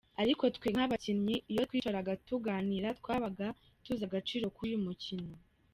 Ariko twe nk’abakinnyi iyo twicaraga tuganira, twabaga tuzi agaciro k’uyu mukino.